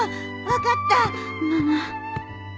分かったママ。